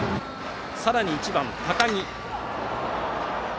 さらに１番、高木。